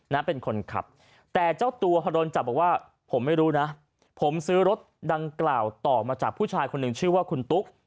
นะเป็นคนขับแต่เจ้าตัวพอโดนจับบอกว่าผมไม่รู้นะผมซื้อรถดังกล่าวต่อมาจากผู้ชายคนหนึ่งชื่อว่าคุณตุ๊ก